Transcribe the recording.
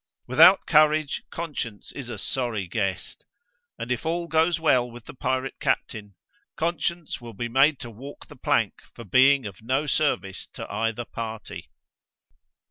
Without courage, conscience is a sorry guest; and if all goes well with the pirate captain, conscience will be made to walk the plank for being of no service to either party.